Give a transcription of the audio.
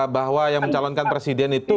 bahwa yang mencalonkan presiden itu